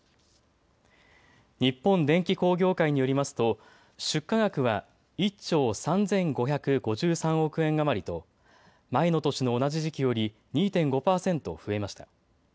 日本電機工業会によりますと出荷額は１兆３５５３億円余りと前の年の同じ時期より２．５％増えました。